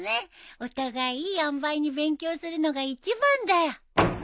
お互いいいあんばいに勉強するのが一番だよ。